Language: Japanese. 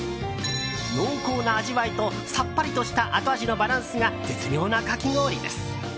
濃厚な味わいとさっぱりとした後味のバランスが絶妙なかき氷です。